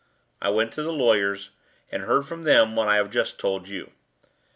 I went to the lawyers, and heard from them what I have just told you.